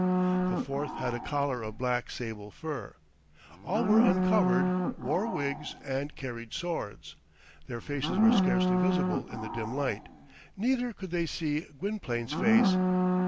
The fourth had a collar of black sable fur. All were uncovered, wore wigs, and carried swords. Their faces were scarcely visible in the dim light, neither could they see Gwynplaine's face.